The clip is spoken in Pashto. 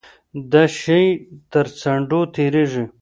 د شی تر څنډو تیریږي.